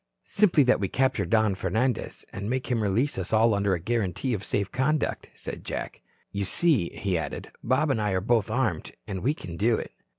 "Simply that we capture Don Fernandez and make him release us all under a guarantee of safe conduct," said Jack. "You see," he added, "Bob and I are both armed, and we can do it."